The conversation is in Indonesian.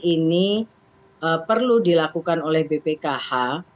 ini perlu dilakukan oleh bpkh